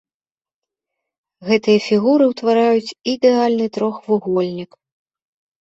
Гэтыя фігуры ўтвараюць ідэальны трохвугольнік.